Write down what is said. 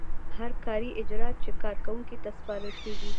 هر کاري اجراات چې کارکوونکي ته سپارل کیږي.